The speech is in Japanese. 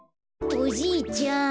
おじいちゃん